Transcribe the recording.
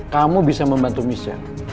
kamu bisa membantu michelle